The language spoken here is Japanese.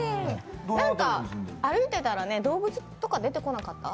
歩いてたら動物とか出てこなかった？